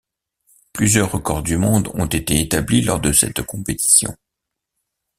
Plusieurs records du monde ont été établis lors de cette compétition.